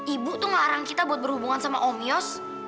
ibu tuh ngelarang kita buat berhubungan sama om yos